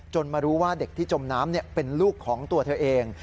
มารู้ว่าเด็กที่จมน้ำเป็นลูกของตัวเธอเอง